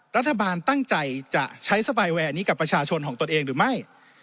รัฐบาลตั้งใจจะใช้สบายแวร์นี้กับประชาชนของตนเองหรือไม่